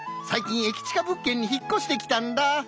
最近駅近物件に引っ越してきたんだ。